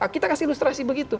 kita kasih ilustrasi begitu